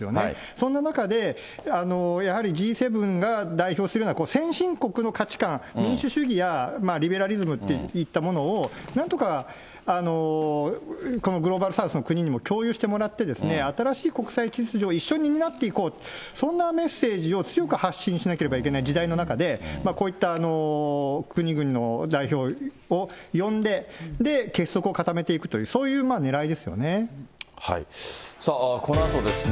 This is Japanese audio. そんな中でやはりＧ７が代表するような、先進国の価値観、民主主義やリベラリズムっていったものを、なんとかこのグローバルサウスの国にも共有してもらって、新しい国際秩序を一緒に担っていこう、そんなメッセージを強く発信しなければいけない時代の中で、今を生きるということは胃の負担を抱えて生きるということかもしれない。